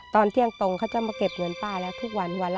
ตอนเที่ยงตรงเขาจะมาเก็บเงินป้าแล้วทุกวันวันละ